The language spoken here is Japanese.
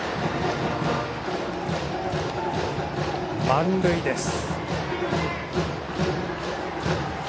満塁です。